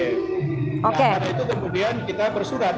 nah karena itu kemudian kita bersurat